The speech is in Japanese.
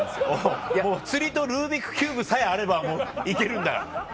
釣りとルービックキューブさえあればもう行けるんだから。